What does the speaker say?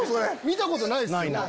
見たことないっすよね。